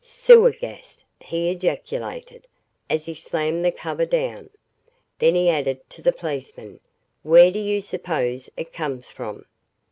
"Sewer gas," he ejaculated, as he slammed the cover down. Then he added to the policeman, "Where do you suppose it comes from?"